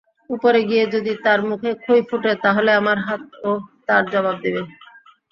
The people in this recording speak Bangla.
উপরে গিয়ে যদি তার মুখে খই ফোটে তাহলে আমার হাতও তার জবাব দিবে!